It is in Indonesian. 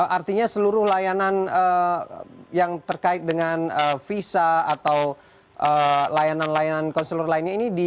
artinya seluruh layanan yang terkait dengan visa atau layanan layanan konselor lainnya ini